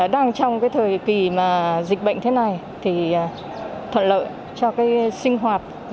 đang trong thời kỳ dịch bệnh thế này thuận lợi cho sinh hoạt